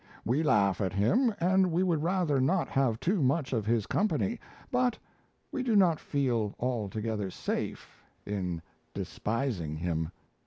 We laugh at him, and we would rather not have too much of his company; but we do not feel altogether safe in despising him."